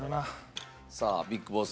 さあＢＩＧＢＯＳＳ。